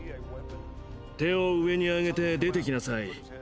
「手を上に上げて出てきなさい。